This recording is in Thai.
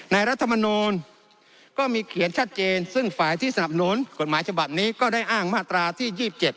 รัฐมนูลก็มีเขียนชัดเจนซึ่งฝ่ายที่สนับสนุนกฎหมายฉบับนี้ก็ได้อ้างมาตราที่๒๗